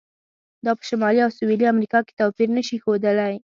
دا په شمالي او سویلي امریکا کې توپیر نه شي ښودلی.